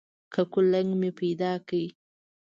که کولنګ مې پیدا کړ.